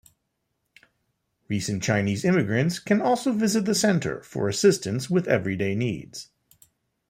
Recent Chinese immigrants can also visit the Center for assistance with everyday needs.